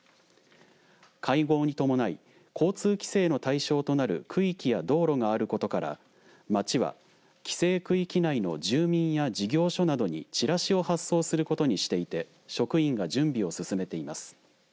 会合に伴い交通規制の対象となる区域や道路があることから町は、規制区域内の住民や事業所などにチラシを発送することにしていて職員が準備を進めています。